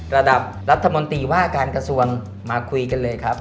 ระดับรัฐมนตรีว่าการกระทรวงมาคุยกันเลยครับ